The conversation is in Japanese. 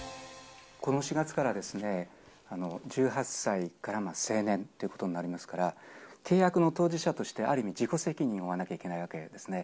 この４月から、１８歳から成年ということになりますから、契約の当事者として、ある意味自己責任を負わなきゃいけないわけですね。